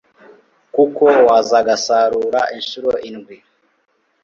kuko wazagasarura incuro ndwi